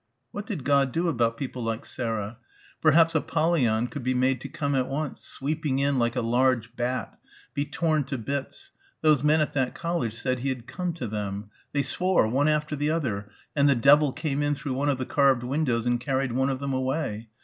What did God do about people like Sarah? Perhaps Apollyon could be made to come at once sweeping in like a large bat be torn to bits those men at that college said he had come to them. They swore one after the other and the devil came in through one of the carved windows and carried one of them away....